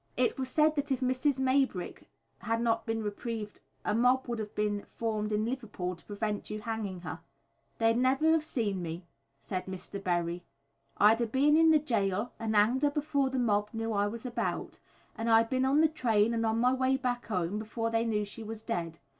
"It was said that if Mrs. Maybrick had not been reprieved a mob would have been formed in Liverpool to prevent your hanging her." "They'd never have seen me," said Mr. Berry, "I'd 'a been in th' jail and 'anged her before th' mob knew I was about, and I'd been on th' train and on my way back 'ome before they knew she was dead.